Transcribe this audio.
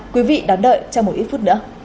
quý vị đón đợi trong một ít phút nữa